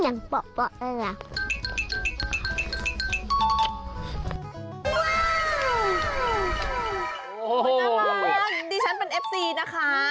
โอ้โหน้ำมันดิฉันเป็นเอฟซีนะคะ